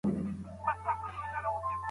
سياسي قدرت د خلګو د ګټو لپاره کارول کېږي.